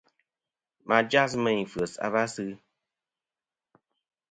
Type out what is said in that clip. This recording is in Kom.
Ma jas meyn f̀yes a va sɨ.